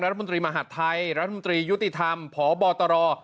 รัฐมนตรีมหาดไทยรัฐมนตรียุติธรรมพบตร